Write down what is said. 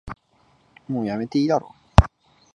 もうやめていいだろ